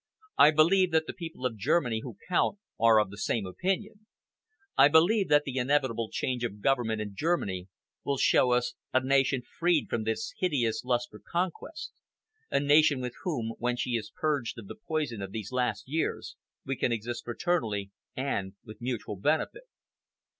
I believe that the people of Germany who count are of the same opinion. I believe that the inevitable change of government in Germany will show us a nation freed from this hideous lust for conquest, a nation with whom, when she is purged of the poison of these last years, we can exist fraternally and with mutual benefit."